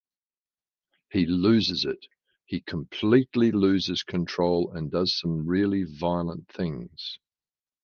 He loses it; he completely loses control and does some really violent things.